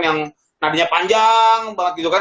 yang nadanya panjang banget gitu kan